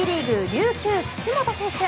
琉球、岸本選手。